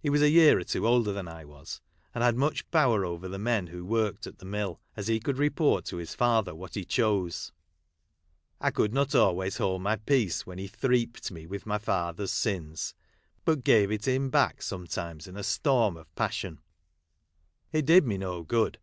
He was a year or two older than I was, and had much power over the men who worked at the mill, as he could report to his father what he chose. I could not always hold my peace when he " threaped " me with my father's sins, but gave it him back some times in a storm of passion. It did me no good